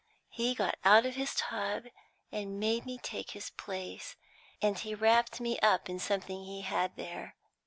He got out of his tub and made me take his place, and he wrapped me up in something he had there.